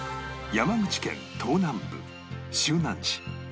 山口県東南部周南市